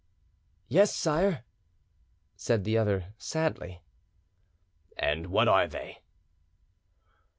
"Yes, sire," said the other sadly. "And what are they?"